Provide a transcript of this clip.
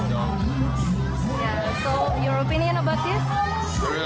jadi pendapat anda tentang ini